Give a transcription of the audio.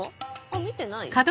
見てない？